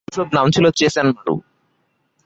শৈশব নাম ছিল চেসেন-মারু।